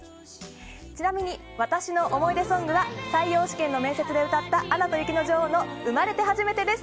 ちなみに私の思い出ソングは採用試験の面接で歌った「アナと雪の女王」の「生まれてはじめて」です。